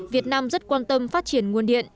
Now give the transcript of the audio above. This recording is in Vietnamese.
việt nam rất quan tâm phát triển nguồn điện